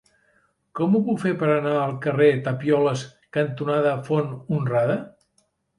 Com ho puc fer per anar al carrer Tapioles cantonada Font Honrada?